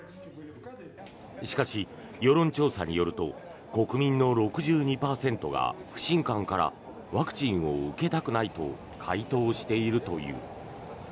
しかし、世論調査によると国民の６２％が不信感からワクチンを受けたくないと回答しているという。